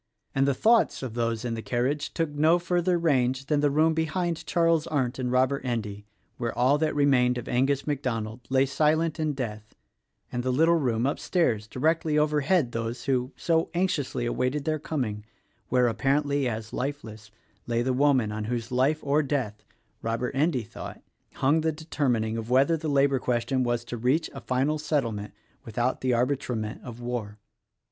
And the thoughts of those in the carriage took no further range than the room behind Charles Arndt and Robert Endy where all that remained of Angus MacDonald lay silent in death and the little room upstairs (directly overhead those who so anxiously awaited their coming) where, appar ently as lifeless, lay the woman on whose life or death, — Robert Endy thought, — hung the determining of whether the labor question was to reach a final settlement without the arbitrament of war.